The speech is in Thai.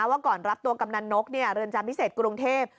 ว่าก่อนรับตัวกำนันนกเรือนจำพิเศษกรุงเทพ